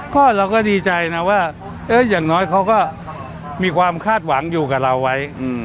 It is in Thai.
ก็เราก็ดีใจนะว่าอย่างน้อยเขาก็มีความคาดหวังอยู่กับเราไว้